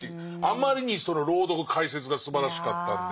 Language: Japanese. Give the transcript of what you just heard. あまりにその朗読解説がすばらしかったんで。